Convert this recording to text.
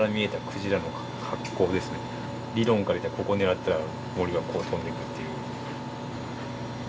理論から言ったらここ狙ったら銛がこう飛んでいくっていう。